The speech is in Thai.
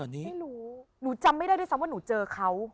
ไม่รู้หนูจำไม่ได้ด้วยซ้ำว่าหนูเจอเขา